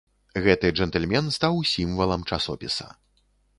Гэты джэнтльмен стаў сімвалам часопіса.